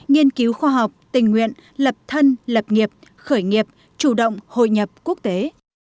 nghiên cứu khoa học tình nguyện lập thân lập nghiệp khởi nghiệp chủ động hội nhập quốc tế